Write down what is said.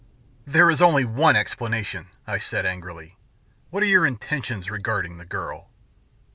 "There is only one explanation," said I angrily. "What are your intentions regarding the girl?"